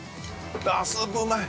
ああっスープうまい！